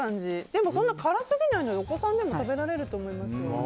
でもそんなにからすぎないのでお子さんでも食べられると思います。